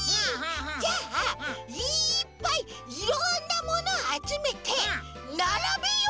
じゃあいっぱいいろんなものをあつめてならべよう！